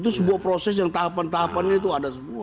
itu sebuah proses yang tahapan tahapannya itu ada semua